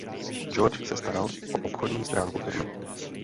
George se staral o obchodní stránku firmy.